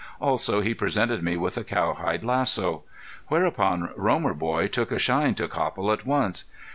Also he presented me with a cowhide lasso. Whereupon Romer boy took a shine to Copple at once.